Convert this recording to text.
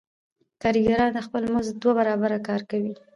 کارګران د خپل مزد دوه برابره کار کوي